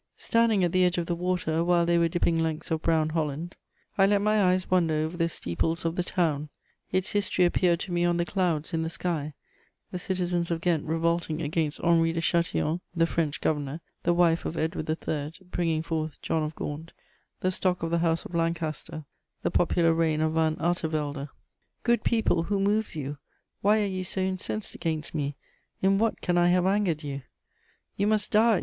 Standing at the edge of the water, while they were dipping lengths of brown holland, I let my eyes wander over the steeples of the town; its history appeared to me on the clouds in the sky: the citizens of Ghent revolting against Henri de Châtillon, the French governor; the wife of Edward III. bringing forth John of Gaunt, the stock of the House of Lancaster; the popular reign of van Artevelde: "Good people, who moves you? Why are you so incensed against me? In what can I have angered you?" "You must die!"